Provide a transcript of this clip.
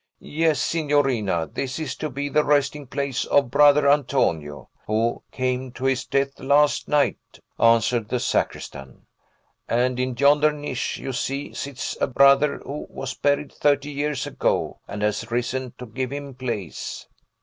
"Yes, signorina, this is to be the resting place of Brother Antonio, who came to his death last night," answered the sacristan; "and in yonder niche, you see, sits a brother who was buried thirty years ago, and has risen to give him place."